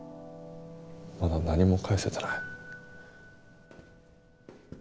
まだ何も返せてない。